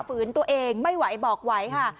ฝืนตัวเองไม่ไหวบอกไหวค่ะ